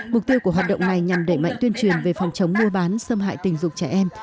mục tiêu của hoạt động này nhằm đẩy mạnh tuyên truyền về phòng chống mua bán xâm hại tình dục trẻ em